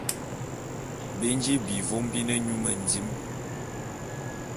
Bi nji vôm bi ne nyu mendim.